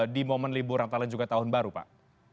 di momen liburantalan juga tahun baru pak